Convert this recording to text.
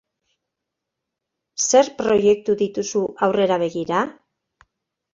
Zer proiektu dituzu aurrera begira?